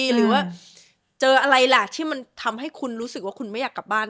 หรือว่าเจออะไรล่ะที่มันทำให้คุณรู้สึกว่าคุณไม่อยากกลับบ้าน